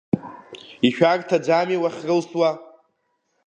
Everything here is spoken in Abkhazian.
Ишәарҭаӡами уахьрылсуа?